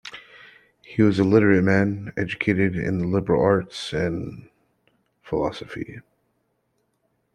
He was a literate man educated in the liberal arts and philosophy.